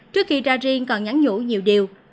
trước khi ra riêng còn nhắn nhũ nhiều điều